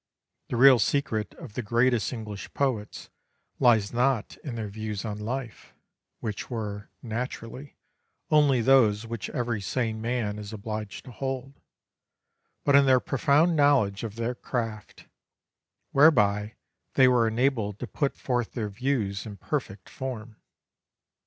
The real secret of the greatest English poets lies not in their views on life, which were, naturally, only those which every sane man is obliged to hold, but in their profound knowledge of their craft, whereby they were enabled to put forth their views in perfect form.